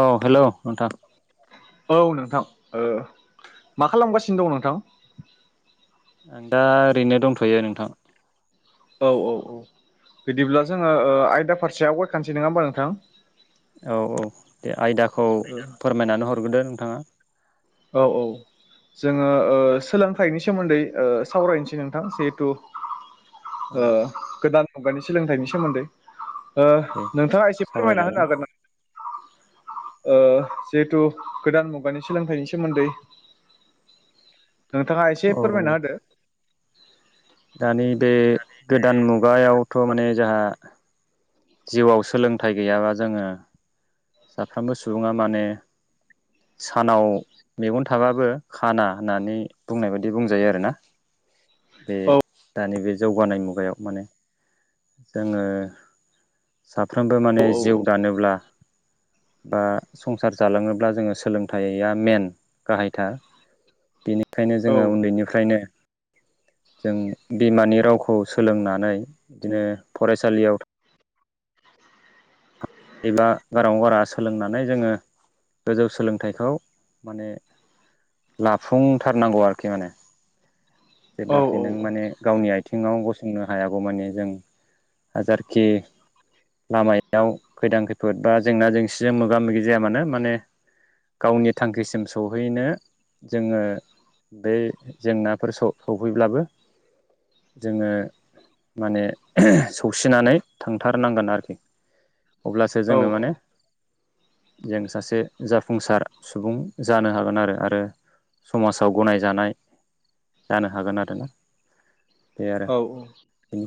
औ हेल' नोंथां। औ नोंथां मा खालामगासिनो दं नोंथां? आं दा ओरैनो दंथ'यो नोंथां। औ औ औ बिदिब्ला जोङो आयदा फारसे आव गायखानोसै नङा होमबा नोंथां। औ औ दे आयदाखौ फोरमायनानै हरग्रोदो नोंथाङा। औ औ। जोङो सोलोंथाइनि सोमोन्दै सावरायनोसै नोंथां जिहेथु औ गोदान मुगानि सोलोंथाइनि सोमोन्दै। दे नोंथाङा एसे फोरमायना होनो सावरायजागोन हागोन नामा? जिहेथु गोदान मुगानि सोलोंथाइनि सोमोन्दै। नोंथाङा एसे औ फोरमायना होदो। दानि बे गोदान मुगायावथ' माने जोंहा जिउआव सोलोंथाइ गैयाबा जोङो साफ्रोमबो सुबुङा माने सानाव मेगन थाबाबो खाना होननानै बुंनाय बायदि बुंजायो आरोना [inaudible] बे दानि बे जौगानाय मुगायाव माने जोङो साफ्रोमबो माने औ जिउ दानोब्ला बा संसार जालाङोब्ला जोङो सोलोंथाइया मेन गाहायथार बे बखायनो औ जोङो उन्दैनिफ्रायनो जों बिमानि रावखौ सोलोंनानै बिदिनो फरायसालियाव एबा गारांअ गारांआ सोलोंनानै जोङो। गोजौ सोलोंथाइखौ माने लाफुंथारनांगौ आरोखि माने औ जेब्लाखि नों माने गावनि आथिङाव गस सोंनो हायागौ मानि जों हाजारखि लामायाव खैदां खैफोद बा जेंना जेंसिजों मोगा मोगि जाया मानो माने गावनि थांखिसिम सहैनो जोङो बे जेंनाफोर स सफैब्लाबो जोङो माने सौसिनानै थांथारनांगोन आरोखि। अब्लासो औ जोङो माने जों सासे जाफुंसार सुबुं जानो हागोन आरो आरो समाजाव गनायजानाय जानो हागोन आरोना। औ औ।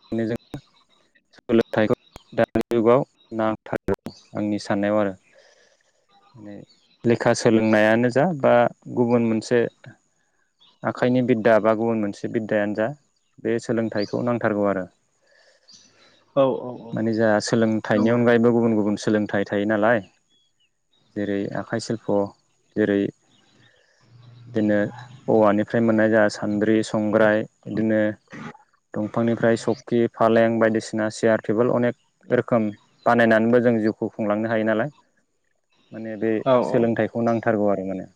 बेनो जों सोलोंथाइखौ दानि जुगाव नांथारगौ आंनि साननायाव आरो। माने लेखा सोलोंनायानो जा बा गुबुन मोनसे आखाइनि बि दा बा गुबुन मोनसे बिद्दायानो जा बे सोलोंथाइखौ नांथारगौ आरो। औ औ औ। मानि जोंहा सोलोंथाइनि नंगौ अनगायैबो गुबुन गुबुन सोलोंथाइ थायो नालाय। जेरै आखाइ सिल्प' जेरै बिदिनो औवानिफ्राय मोननाय जोंहा सान्द्रि संग्राय बिदिनो दंफांनिफ्राय सखि फालें बायदिसिना चियार टेबोल अनेक रोखोम बानायनानैबो जों जिउखौ खुंलांनो हायो नालाय। [inaudible] माने बे औ सोलोंथाइखौ नांथारगौ आरो माने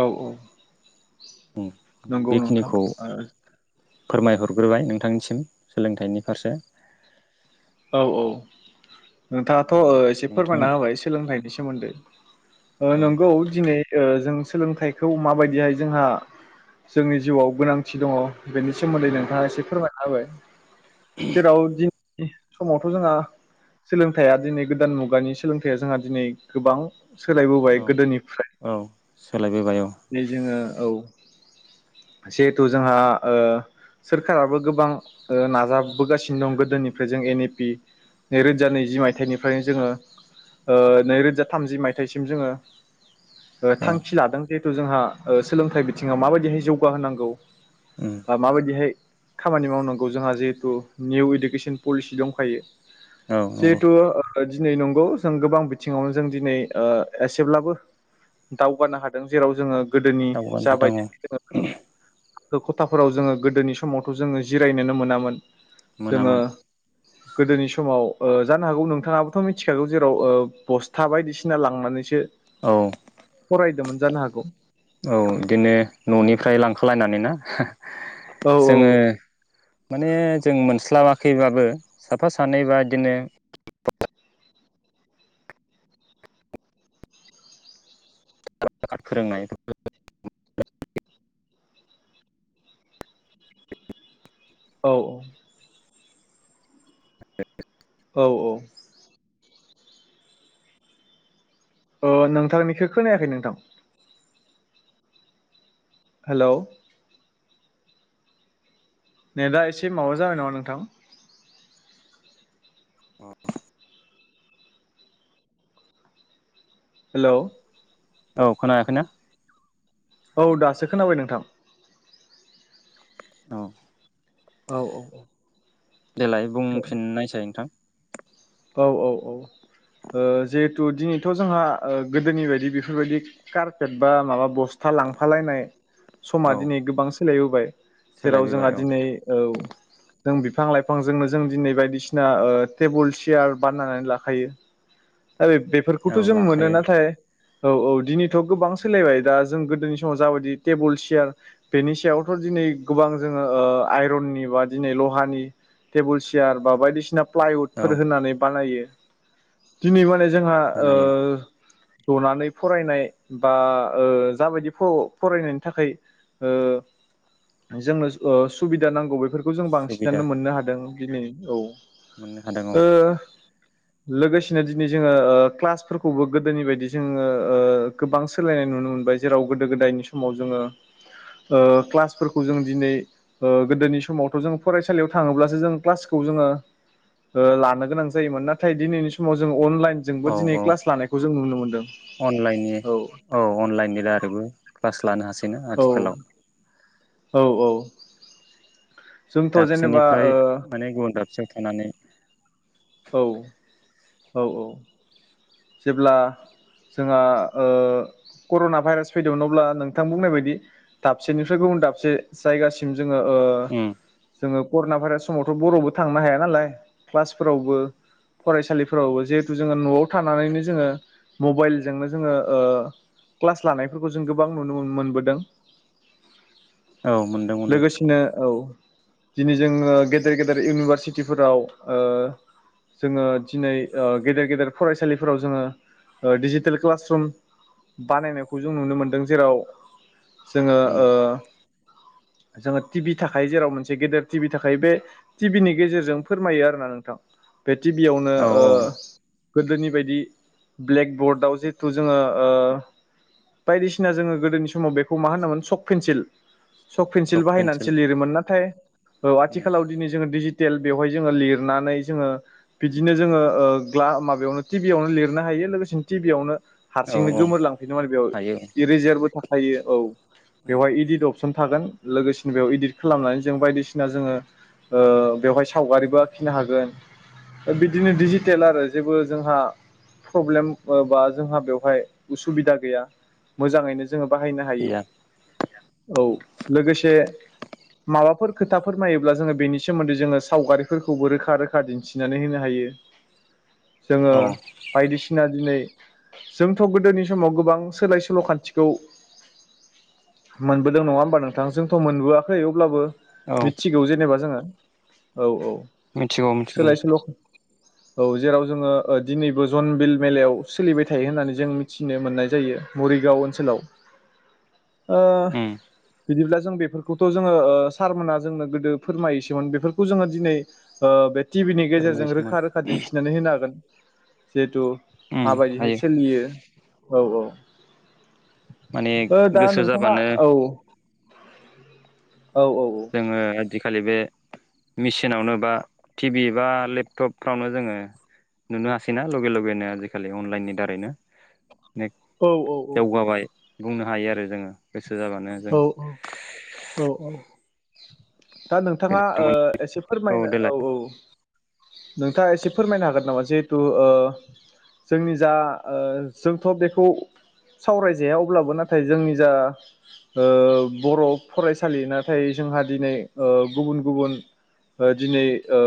औ औ नंगौ नोंथां बेखिनिखौ ओ फोरमायहरग्रोबाय नोंथांनिसिम सोलोंथाइनि फारसे। औ औ नोंथाङाथ' एसे नोंथां फोरमायना होबाय सोलोंथाइनि सोमोन्दै। ओ नंगौ दिनै ओ जों सोलोंथाइखौ माबायदिहाय जोंहा जोंनि जिउआव गोनांथि दङ। बेनि औ सोमोन्दै नोंथाङा एसे फोरमायना हाबाय जेराव दि समावथ' जोंहा सोलोंथाया दिनै गोदान मुगानि सोलोंथाइया जोंहा दिनै गोबां सोलायबोबाय औ गोदोनिफ्राय औ सोलायबोबाय औ। दिनै जोङो औ जिहेथु जोंहा ओ सोरखाराबो गोबां ओ नाजाबोगासिनो दं गोदोनिफ्राय जों एन ए पि नैरोजा नैजि मायथाइनिफ्रायनो जोङो ओ नैरोजा थामजि मायथाइसिम जोङो ओ औ थांखि लादों जिहेथु जोंहा सोलोंथाइ बिथिङाव माबायदिहाय जौगाहोनांगौ। मा-माबायदिहाय खामानि मावनांगौ जोंहा जिहेतु निउ इडुकेसन पलिसि दंखायो। नंगौ जेहेथु। दिनै नंगौ जों गोबां बिथिङावनो जों दिनै ओ एसेब्लाबो दावगानो हादों। जेराव जोङो गोदोनि दावगानो हादों जाबायदि औ जोङो खथाफोराव जोङो गोदोनि समावथ' जोङो जिरायनोनो मोनामोन जोङो मोनामोन गोदोनि समाव ओ जानो हागौ नोंथाङाबोथ' मिथिखागौ जेराव ओ बस्था बायदिसिना लांनानैसो औ फरायदोंमोन। जानो हागौ औ बिदिनो औ न'निफ्राय लांखालायनानै ना। औ जोङो माने जों मोनस्लाबाखैबाबो साफा सानैबा बिदिनो [unintelligible] फोरोंनाय [unintelligible] औ औ। [unintelligible] औ औ। अ नोंथांनिखौ खोनायाखै नोंथां। हेल'। नेदा एसे माबा जाबाय नामा नोंथां? हेल'। औ खोनायाखै ना? औ दासो खोनाबाय नोंथां। औ। औ औ औ। देलाय बुंफिननायसाय नोंथां। औ औ औ। ओ जिहेथु दिनैथ' जोंहा गोदोनि बायदि बेफोरबायदि कारपेट बा माबा बस्था लांफालायनाय समा औ दिनै गोबां सोलायबोबाय जेराव जोंहा सोलायबोबाय औ दिनै औ जों बिफां लाइफांजोंनो जों दिनै बायदिसिना ओ टेबोल सियार बानायनानै लाखायो। दा बे औ बेफोरखौथ' जों मोनो लाखायो नाथाय औ औ दिनैथ' गोबां सोलायबाय दा जों गोदोनि समाव जाबायदि टेबोल चेयार बेनि सायावथ' दिनै गोबां जोङो आइरननि बा दिनै लहानि टेबोल चेयार बा बायदिसिना प्लाइउद औ फोर होनानै बानायो दिनै माने जोंहा ओ बानायो जनानै फरायनाय बा ओ जाबायदि फ फरायनायनि थाखाय ओ जोंनो ओ सुबिदा नांगौ बेफोरखौ जों सुबिदा बांसिनानो मोननो हादों दिनै। औ मोननो हादों औ ओ लोगोसेनो दिनै जोङो ओ क्लासफोरखौबो गोदोनि बायदि जोङो ओ गोबां सोलायनाय नुनो मोनबाय जेराव गोदो गोदायनि समाव जोङो ओ क्लासफोरखौ जों दिनै ओ गोदोनि समावथ' जों फरायसालियाव थाङोब्लासो जों क्लासखौ जोङो ओ लानो गोनां जायोमोन नाथाय दिनैनि दिनाव समाव जोङो अनलाइन जोंबो औ दिनै औ क्लास लानायखौ जों नुनो मोन्दों। अनलाइननि औ अनलाइननि दारैबो क्लास लानो हासैना औ आथिखालाव। औ औ। जोंथ' जेनेबा दाबसेनिफ्राय ओ माने गुबुन दाबसेयाव थांनानै औ औ औ। जेब्ला जोंहा ओ कर'ना भाइरास फैदोंमोन अब्ला नोंथां बुंनाय बायदि दाबसेनिफ्राय गुबुन दाबसे जायगासिम जोङो ओ उम जोङो कर'ना भाइरास समावथ' बर'बो थांनो हाया नालाय क्लास फोरावबो फरायसालिफोरावबो जिहेथु जोङो न'आव थानानैनो जोङो मबाइलजोंनो जोङो ओ क्लास लानायफोरखौ जों गोबां नुनो मोनबोदों। औ मोनदों मोनदों लोगोसेनो औ दिनै जोङो गेदेर गेदेर इउनिभारसिटिफोराव ओ जोङो दिनै ओ गेदेर गेदेर फरायसालिफोराव जोङो डिजिटेल क्लासरुम बानायनायखौ जों नुनो मोनदों जेराव जोङो उम ओ जोङो टि भि थाखाय जेराव मोनसे गेदेर टिभि थाख बे टिभिनि गेजेरजों फोरमायो आरोना नोंथां। बे टिभीयावनो औ औ गोदोनि बायदि ब्लेकबर्डआव जिहेथु जोङो ओ बायदिसिना जोङो गोदोनि समाव बेखौ मा होनांगोन सख पेन्सिल सख पेन्सिल बाहायनानैसो लिरोमोन नाथाय उम आथिखालाव दिनै जोङो दिजिटेल बेवहाय जोङो लिरनानै जोङो बिदिनो जोङो ओ ग्ला माबायावनो टिभियावनो लिरनो हायो लोगोसे टिभियावनो औ हारसिंनो औ गोमोर लांफिनो माने बेयाव हायो इरिजारबो थाखायो औ उम बेवहाय इदिद अपसन थागोन लोगोसेनो बेयाव इदिट खालामनानै जों बायदिसिना जोङो ओ बेवहाय सावगारिबो आखिनो हागोन ओ बिदिनो डिजिटेल आरो जेबो जोंहा प्रब्लेम ओ बा जोंहा बेवहाय उसुबिदा गैया मोजाङैनो जोङो बाहायनो गैया हायो औ लोगोसे माबाफोर खोथाफोर नायोब्ला जोङो बेनि सोमोन्दै जोङो सावगारिफोरखौबो रोखा रो खा दिन्थिनानै होनो हायो जोङो औ बायदिसिना दिनै जोंथ' गोदोनि समाव गोबां सोलाय सोल' खान्थिखौ मोनबोदों नङा होमबा नोंथां जोंथ' मोनबोआखै अब्लाबो औ मिथिगौ जेनेबा जोङो औ औ मिथिगौ मिथिगौ सोलायसोल' औ जेराव जोङो ओ दिनैबो जनबिल मेलायाव सोलिबाय थायो होननानै जों मिथिनो मोननाय जायो म रिगाव ओनसोलाव बिदिब्ला जों बेफोरखौथ' जोङो ओ सारमोनहा जोंनो गोदो फोरमायोसोमोन बेफोरखौ जोङो दिनै ओ टिभिनि गेजेरजों फोरमायसोमोन रोखा रोखा दिन्थिनानै होनो हागोन जिहेथु उम माबायदिहाय हायो सोलियो औ औ माने ओ दा गोसो नोंथाङा जाबानो औ औ औ जोङो आथिखालि बे मेसिनावनो बा टिभि बा लेपटपफ्रावनो जोङो नुनो हासैना लगे लगेनो आजिखालि अनलाइननि दारैनो [unintelligible] औ जौगाबाय बुंनो हायो आरो जोङो जाबानो जों औ औ औ औ दा नोंथाङा गोदोथ' ओ माने एसे फोरमायनो औ औ नोंथाङा एसे फोरमायनो हागोन नामा जिहेथु ओ जोंनि जा ओ जोंथ' बेखौ सावरायजाया अब्लाबो नाथाय जोंनि जा ओ बर' फरायसालि नाथाय जोंहा दिनै गुबुन गुबुन ओ दिनै ओ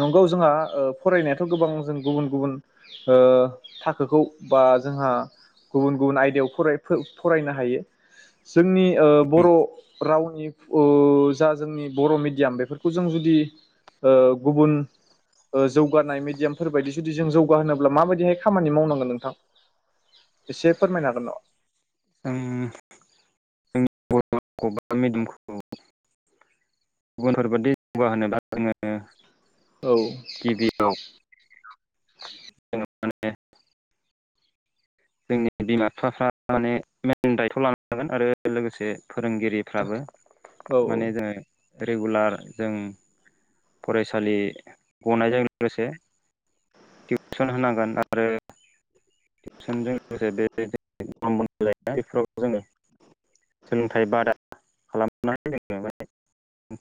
नंगौ जोंहा फरायनायाथ' गोबां जों गुबुन गुबुन ओ थाखोखौ बा जोंहा गुबुन गुबुन आयदायाव फराय-फो-फरायनो हायो जोंनि ओ बर' राव नि ओ जा जोंनि बर' मिडियाम बेफोरखौ जों जुदि ओ गुबुन ओ जौगानाय मिडियामफोर बायदि जुदि जों जौगा होनोब्ला माबायदिहाय खामानि मावनांगोन नोंथां इसे फोरमायनो हागोन नामा उम [unintelligible] गुबुनफोरबादि जौगाहोनोब्ला जोङो औ औ गिबियाव माने [inaudible] जोंनि बिमा -फिफाफ्रा माने मेन दायथ' लानो हागोन आरो लोगोसे फोरोंगिरिफ्राबो माने औ जोङो रेगुलार जों फरायसालि गनायजों लोगोसे टिउसन होनांगोन आरो टिउसनजों लोगोसे बे [inaudible] बेफोराव जोङो सोलोंथाइ बादा खालामनानै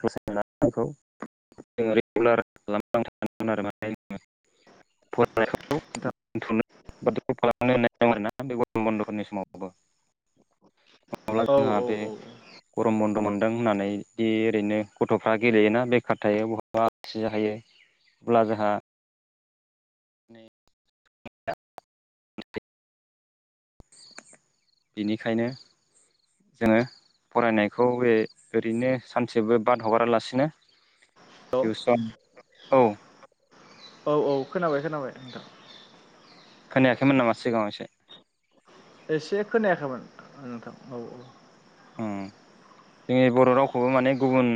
जोङो रेगुलार आरो [inaudible] नायखौ [inaudible] [unintelligible] [inaudible] बे गरम बन्द'फोरनि समावबो नङाब्ला जोंहा औ बे गरम बन्द' मोन दों होननानै दि ओरैनो गथ'फ्रा गेलेयोना बेखार थायो बहाबा आलासि जाहैयो अब्ला जोंहा [inaudible] बेनिखायनो जोङो फरायनायखौ बे ओरैनो सानसेबो बाद हगारालासिनो औ टिउसन औ औ औ खोनाबाय खोनाबाय नोंथां खोनायाखैमोन नामा सिगाङाव एसे एसे खोनायाखैमोन नोंथां औ औ अ जोंनि बर' रावखौबो माने गुबुन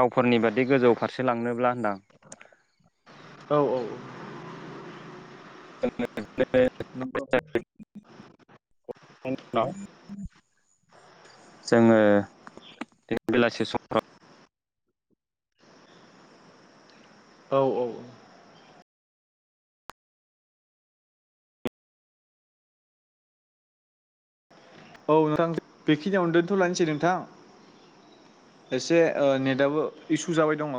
रावफोरनि बादि गोजौ फारसे लांनोब्ला होनदां औ औ जोङो नंगौ [inaudible] जोङो बे बेलासि समफ्राव औ औ औ नोंथां बेखिनियाव दोनथ'लायनोसै नोंथां एसे ओ नेटआबो इसु जाबाय दङ